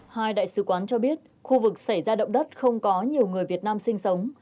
hai đại sứ quán cho biết khu vực xảy ra động đất không có nhiều người việt nam sinh sống